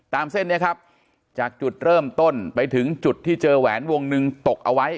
เส้นนี้ครับจากจุดเริ่มต้นไปถึงจุดที่เจอแหวนวงหนึ่งตกเอาไว้